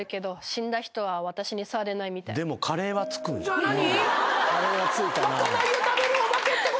じゃあ何？